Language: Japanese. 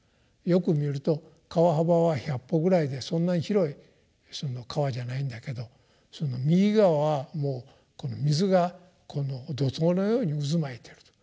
よく見ると川幅は１００歩ぐらいでそんなに広い川じゃないんだけどその右側はもうこの水がこの怒とうのように渦巻いていると。